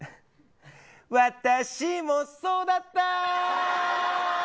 私もそうだった。